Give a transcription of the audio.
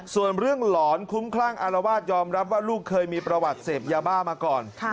ส่วนเรื่องหลอนคุ้มคลั่งอารวาสยอมรับว่าลูกเคยมีประวัติเสพยาบ้ามาก่อน